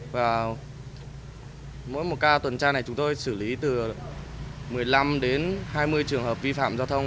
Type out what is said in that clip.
và mỗi một ca tuần tra này chúng tôi xử lý từ một mươi năm đến hai mươi trường hợp vi phạm giao thông